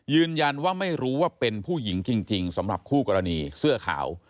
ยืนยันว่าไม่รู้ว่าเป็นผู้หญิงจริงสำหรับคู่กรณีเสื้อขาว